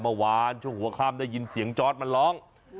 เมื่อวานช่วงหัวข้ามได้ยินเสียงจอร์ดมันร้อง